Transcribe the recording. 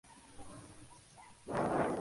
Algunos inducen a la micosis humana.